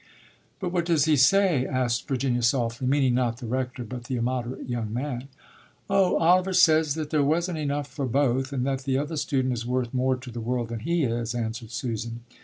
"But what does he say?" asked Virginia softly, meaning not the rector, but the immoderate young man. "Oh, Oliver says that there wasn't enough for both and that the other student is worth more to the world than he is," answered Susan.